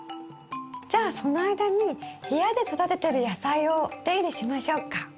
じゃあその間に部屋で育ててる野菜をお手入れしましょうか。